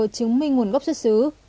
chứng minh nguồn gốc xuất xứ